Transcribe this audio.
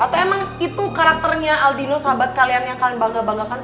atau emang itu karakternya aldino sahabat kalian yang kalian bangga banggakan